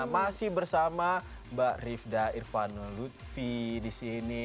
masih bersama mbak rifda irvano lutfi di sini